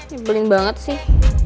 yubelin banget sih